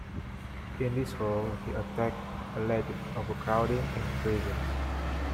In this role, he attacked alleged overcrowding in prisons.